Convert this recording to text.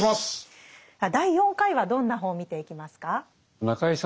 第４回はどんな本を見ていきますか？